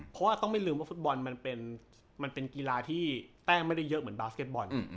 เพราะว่าต้องไม่ลืมว่าฟุตบอลมันเป็นกีฬาที่แต้มไม่ได้เยอะเหมือนบาสเก็ตบอล